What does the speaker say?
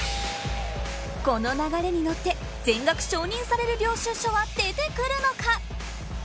この流れに乗って全額承認される領収書は出てくるのか？